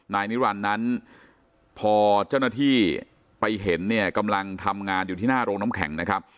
นายนิรันดิ์นั้นพอเจ้าหน้าที่ไปเห็นเนี่ยกำลังทำงานอยู่ที่หน้าโรงน้ำแข็งนะครับ